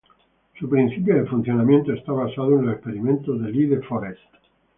Su principio de funcionamiento está basado en los experimentos de Lee De Forest.